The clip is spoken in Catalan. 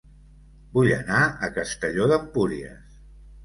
Vull anar a Castelló d'Empúries